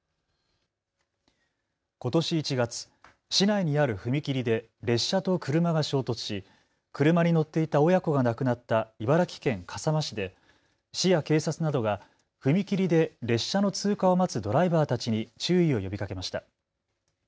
ことし１月、市内にある踏切で列車と車が衝突し車に乗っていた親子が亡くなった茨城県笠間市で市や警察などが踏切で列車の通過を待つドライバーたちに注意を呼びかけました。